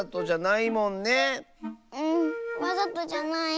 うんわざとじゃない。